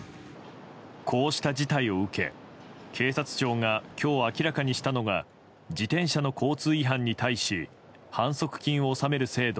こうした事態を受け警察庁が今日明らかにしたのが自転車の交通違反に対し反則金を納める制度